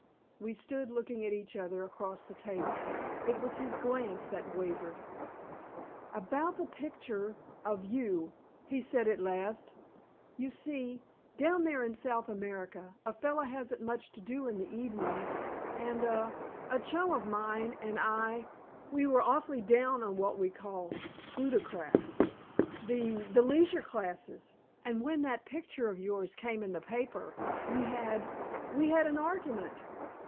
We stood looking at each other across the table. It was his glance that wavered. "About the picture of you," he said at last. "You see, down there in South America, a fellow hasn't much to do in the evenings, and a a chum of mine and I we were awfully down on what we called the plutocrats, the the leisure classes. And when that picture of yours came in the paper, we had we had an argument.